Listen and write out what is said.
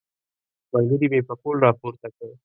ملګري مې پکول راپورته کړ.